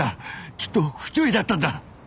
きっと不注意だったんだ。